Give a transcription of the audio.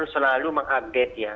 selalu mengupdate ya